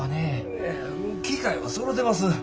機械はそろてます。